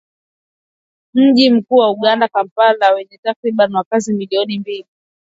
Mji mkuu wa Uganda, Kampala wenye takribani wakazi milioni mbili.